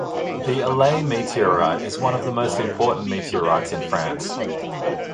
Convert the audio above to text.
The Alais meteorite is one of the most important meteorites in France.